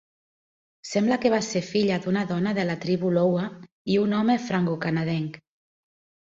Sembla que va ser filla d'una dona de la tribu Iowa i un home francocanadenc.